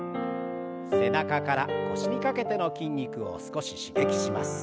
背中から腰にかけての筋肉を少し刺激します。